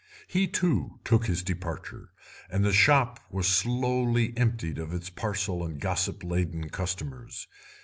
He, too, took his departure, and the shop was slowly emptied of its parcel and gossip laden customers.